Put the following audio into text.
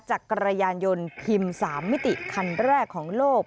จักรยานยนต์พิมพ์๓มิติคันแรกของโลก